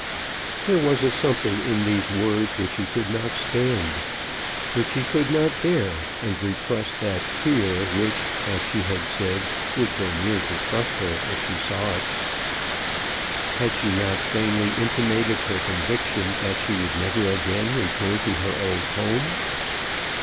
There was a something in these words which he could not stand, which he could not bear and repress that tear which, as she had said, would go near to crush her if she saw it. Had she not plainly intimated her conviction that she would never again return to her old home?